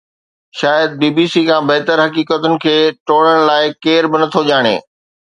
شايد بي بي سي کان بهتر حقيقتن کي ٽوڙڻ لاءِ ڪير به نٿو ڄاڻي